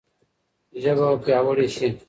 ژبه به پیاوړې شي.